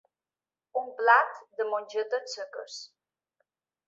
Un plat de mongetes seques.